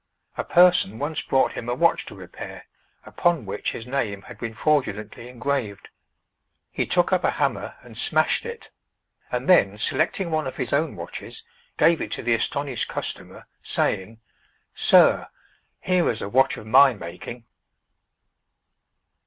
A person once brought him a watch to repair, upon which his name had been fraudulently engraved. He took up a hammer and smashed it, and then selecting one of his own watches, gave it to the astonished customer, saying: "Sir, here is a watch of my making."